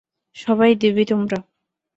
সবাই দেবী তোমরা।